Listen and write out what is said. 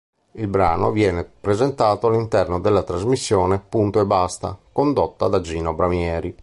Il brano viene presentato all'interno della trasmissione "Punto e Basta", condotta da Gino Bramieri.